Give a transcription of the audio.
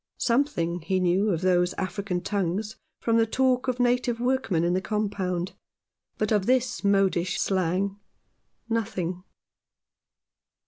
Something he knew of those African tongues from the talk of native workmen in the Compound, but of this modish slang nothing.